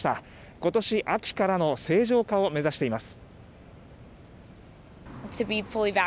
今年秋からの正常化を目指しています。